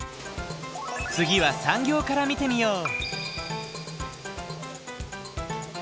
次は産業から見てみよう。